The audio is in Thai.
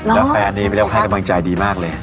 แล้วแฟนนี้ไม่ต้องให้กำลังใจดีมากเลย